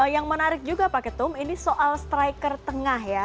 yang menarik juga pak ketum ini soal striker tengah ya